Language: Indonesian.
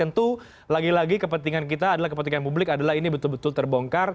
tentu lagi lagi kepentingan kita adalah kepentingan publik adalah ini betul betul terbongkar